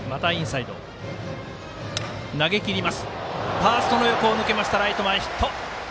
ファーストの横を抜けてライト前ヒット。